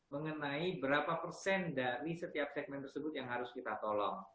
mengenai berapa persen dari setiap segmen tersebut yang harus kita tolong